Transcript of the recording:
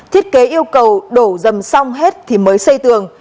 thiết kế yêu cầu đổ dầm xong hết thì mới xây tường